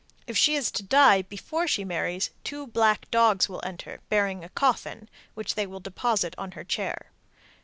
If she is to die before she marries, two black dogs will enter, bearing a coffin, which they will deposit on her chair.